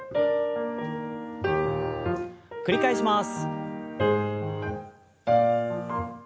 繰り返します。